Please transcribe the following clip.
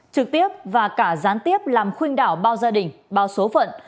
trực tiếp và cả gián tiếp làm khuyên đảo bao gia đình bao số phận